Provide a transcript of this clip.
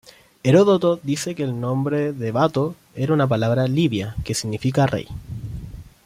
Heródoto dice que el nombre de Bato era una palabra libia que significaba rey.